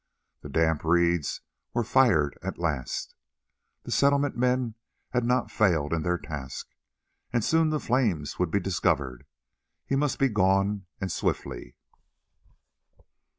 The damp reeds were fired at last. The Settlement men had not failed in their task, and soon the flames would be discovered; he must be gone and swiftly.